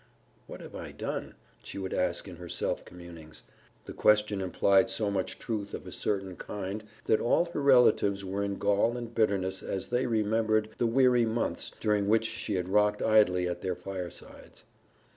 "What have I ever done?" she would ask in her self communings. The question implied so much truth of a certain kind that all her relatives were in gall and bitterness as they remembered the weary months during which she had rocked idly at their firesides.